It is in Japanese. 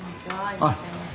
いらっしゃいませ。